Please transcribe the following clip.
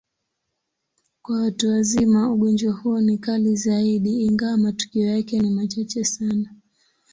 Kwa watu wazima, ugonjwa huo ni kali zaidi, ingawa matukio yake ni machache sana.